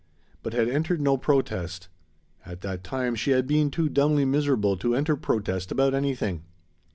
but had entered no protest; at that time she had been too dumbly miserable to enter protest about anything.